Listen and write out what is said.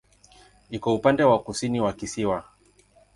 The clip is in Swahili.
Iko upande wa kusini wa kisiwa.